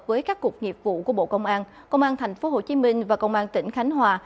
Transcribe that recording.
với các cuộc nghiệp vụ của bộ công an công an tp hcm và công an tỉnh khánh hòa